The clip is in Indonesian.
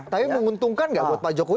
tapi menguntungkan nggak buat pak jokowi